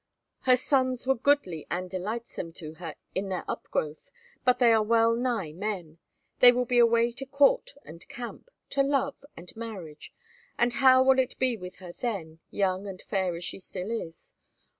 "Her sons were goodly and delightsome to her in their upgrowth, but they are well nigh men. They will be away to court and camp, to love and marriage; and how will it be with her then, young and fair as she still is?